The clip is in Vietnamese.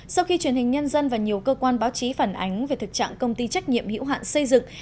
sau khi truyền hình nhân dân và nhiều cơ quan báo chí phản ánh về thực trạng công ty trách nhiệm hữu hạn xây dựng